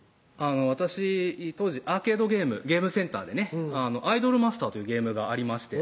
私当時アーケードゲームゲームセンターでねアイドルマスターというゲームがありま